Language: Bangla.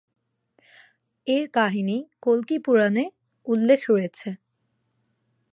এর কাহিনী কল্কি পুরাণে উল্লেখ রয়েছে।